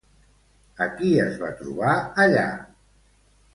A qui es va trobar allà?